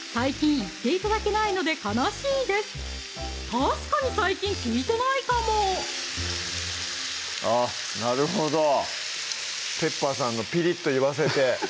確かに最近聞いてないかもあっなるほどペッパーさんの「ピリッと言わせて！」